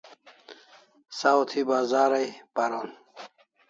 Saw thi Bazar ai paron